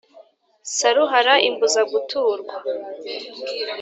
Saruhara imbuza guturwa;